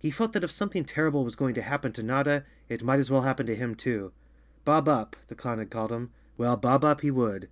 He felt that if something terrible was going to happen to Notta it might as well happen to him too. "Bob Up," the clown had called him. Well, bob up he would.